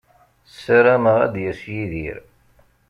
Ssarameɣ ad d-yas Yidir.